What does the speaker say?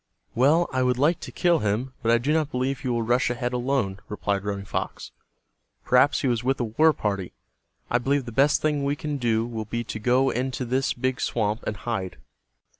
"Well, I would like to kill him, but I do not believe he will rush ahead alone," replied Running Fox. "Perhaps he was with a war party. I believe the best thing we can do will be to go into this big swamp and hide."